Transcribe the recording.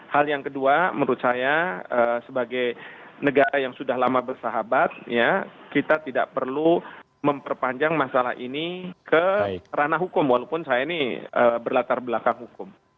hal yang kedua menurut saya sebagai negara yang sudah lama bersahabat kita tidak perlu memperpanjang masalah ini ke ranah hukum walaupun saya ini berlatar belakang hukum